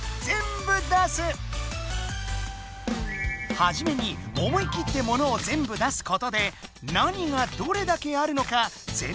はじめに思い切って物を全部出すことで「何」が「どれだけ」あるのかぜん